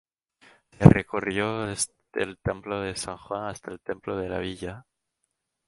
Se recorrió desde el templo de San Juan hasta el templo de la villa.